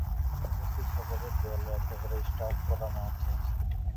এখানে উপস্থিত সকলের দেয়ালে একটা করে স্টাফ করা মাছ ঝুলছে।